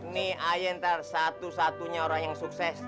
nih haye ntar satu satunya orang yang sukses